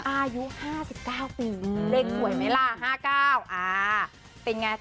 อายุเท่าไหร่ปีนี้